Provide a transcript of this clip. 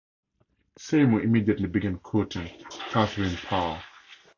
Seymour immediately began courting Catherine Parr.